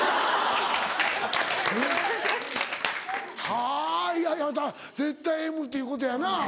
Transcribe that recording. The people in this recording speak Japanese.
はぁいやいや絶対Ｍっていうことやな。